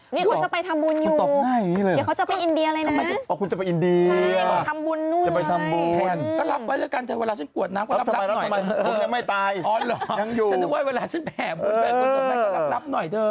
นี่เขาจะไปทำบุญอยู่อ่ะนี่เขาจะไปอินเดียเลยนะฮะคูยอร์จำเป็นอย่างง่ายสิเขาไปทำบุญ